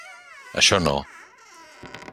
Això no.